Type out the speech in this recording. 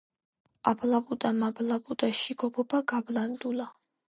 აბლაბუდა, მაბლაბუდა, შიგ ობობა გაბლანდულა.